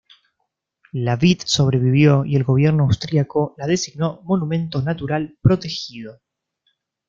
La vid sobrevivió y el gobierno austríaco la designó monumento natural protegido.